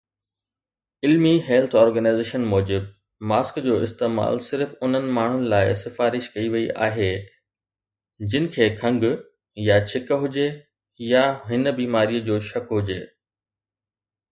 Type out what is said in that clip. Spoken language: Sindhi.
المي هيلٿ آرگنائيزيشن موجب، ماسڪ جو استعمال صرف انهن ماڻهن لاءِ سفارش ڪئي وئي آهي جن کي کنگهه يا ڇڪ هجي يا هن بيماريءَ جو شڪ هجي.